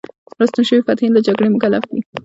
راستون شوي فاتحین له جګړې مکلف دي.